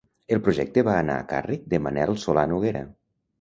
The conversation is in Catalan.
El projecte va anar a càrrec de Manel Solà Noguera.